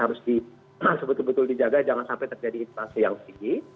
harus betul betul dijaga jangan sampai terjadi inflasi yang tinggi